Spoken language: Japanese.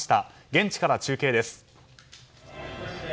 現地から中継です。